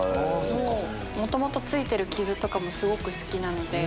元々付いてる傷とかもすごく好きなので。